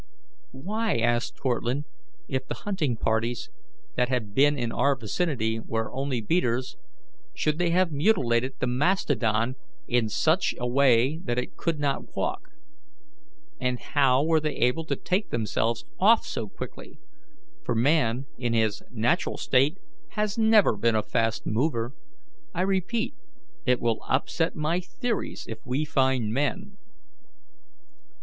"Why," asked Cortlandt, "if the hunting parties that have been in our vicinity were only beaters, should they have mutilated the mastodon in such it way that he could not walk? And how were they able to take themselves off so quickly for man in his natural state has never been a fast mover? I repeat, it will upset my theories if we find men."